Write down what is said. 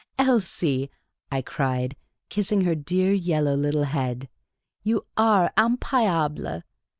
" Elsie," I cried, kissing her dear yellow little head, " you are impayable.